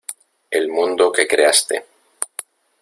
el mundo que creaste.